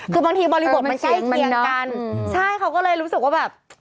คือบางทีบริบทมันใกล้เคียงกันใช่เขาก็เลยรู้สึกว่าแบบ